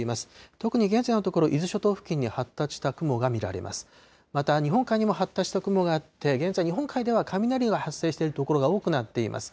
特に現在のところ、伊豆諸島付近に発達した雲が見られます。